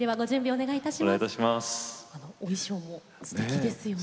お衣装もすてきですよね。